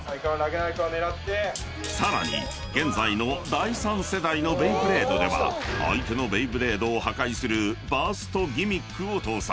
［さらに現在の第三世代のベイブレードでは相手のベイブレードを破壊するバーストギミックを搭載］